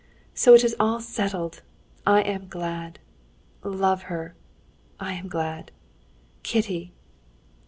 "So it is all settled! I am glad. Love her. I am glad.... Kitty!"